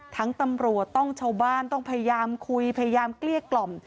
ตำรวจต้องชาวบ้านต้องพยายามคุยพยายามเกลี้ยกล่อม